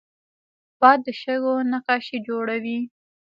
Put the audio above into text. باد د شګو نقاشي جوړوي